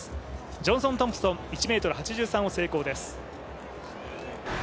ジョンソン・トンプソン、１ｍ８３を成功です。